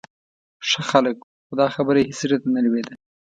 ښه خلک و، خو دا خبره یې هېڅ زړه ته نه لوېده.